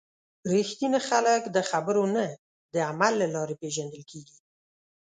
رښتیني خلک د خبرو نه، د عمل له لارې پیژندل کېږي.